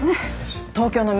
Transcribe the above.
東京の都